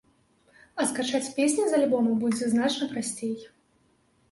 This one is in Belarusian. А скачаць песні з альбома будзе значна прасцей.